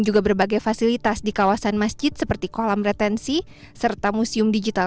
juga berbagai fasilitas di kawasan masjid seperti kolam retensi serta museum digital